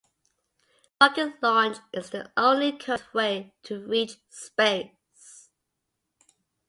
Rocket launch is the only current way to reach space.